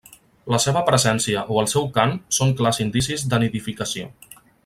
La seva presència o el seu cant són clars indicis de nidificació.